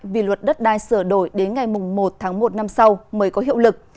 vì luật đất đai sửa đổi đến ngày một tháng một năm sau mới có hiệu lực